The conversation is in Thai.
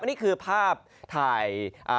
วันนี้คือภาพถ่าย